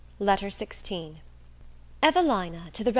LETTER XVI EVELINA TO THE REV.